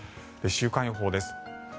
週間予報です。